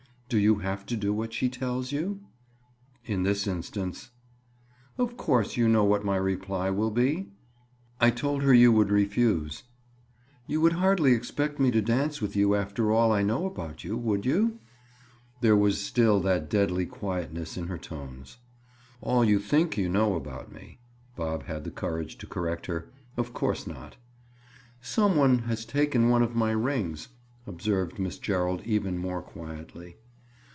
"Do you have to do what she tells you?" "In this instance." "Of course you know what my reply will be?" "I told her you would refuse." "You would hardly expect me to dance with you after all I know about you, would you?" There was still that deadly quietness in her tones. "All you think you know about me," Bob had the courage to correct her. "Of course not." "Some one has taken one of my rings," observed Miss Gerald even more quietly.